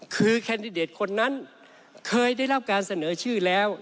คือแคนดิเดตคนนั้นเคยได้รับการเสนอชื่อแล้ว